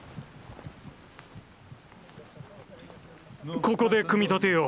ここで組み立てよう。